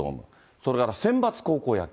それからセンバツ高校野球。